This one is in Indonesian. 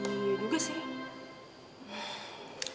iya juga sih